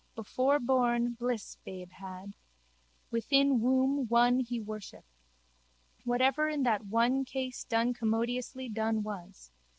Before born bliss babe had. Within womb won he worship. Whatever in that one case done commodiously done was.